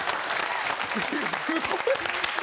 すごい。